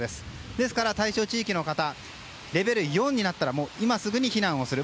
ですから対象地域の方レベル４になったら今すぐに避難をする。